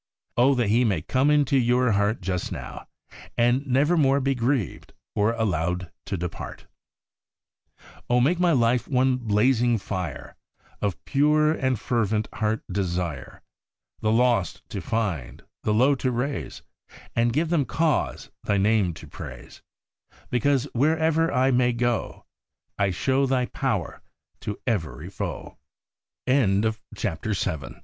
Oh, that He may come into your heart just now, and nevermore be grieved, or allowed to depart ! Oh, make my life one blazing fire Of pure and fervent heart desire The lost to find, the low to raise, And give them cause Thy name to praise, Because, wherever I may go, I show